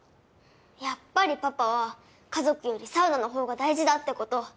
やっぱりパパは家族よりサウナのほうが大事だってこと！